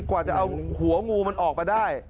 กว่าจะเอาหัวงูมันออกมาได้